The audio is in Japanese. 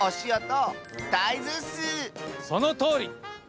そのとおり！